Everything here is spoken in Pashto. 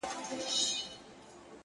خوند كوي دا دوه اشــــنا”